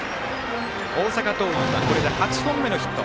大阪桐蔭はこれで８本目のヒット。